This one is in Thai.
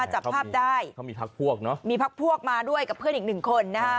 จับภาพได้เขามีพักพวกเนอะมีพักพวกมาด้วยกับเพื่อนอีกหนึ่งคนนะฮะ